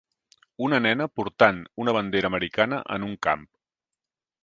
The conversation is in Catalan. Una nena portant una bandera americana en un camp.